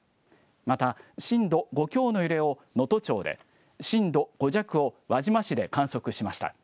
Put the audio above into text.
また震度５強の揺れを能登町で、震度５弱を輪島市で観測しました。